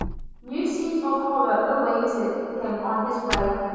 New scenes of horror awaited him on his way.